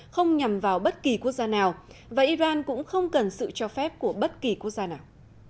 không nhằm vào bất kỳ quốc gia nào và iran cũng không cần sự cho phép của bất kỳ quốc gia nào